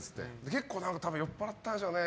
結構酔っぱらってたんでしょうね。